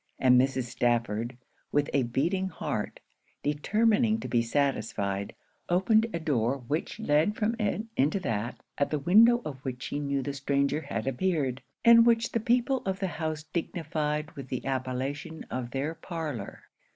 And Mrs. Stafford, with a beating heart, determining to be satisfied, opened a door which led from it, into that, at the window of which she knew the stranger had appeared; and which the people of the house dignified with the appellation of their parlour.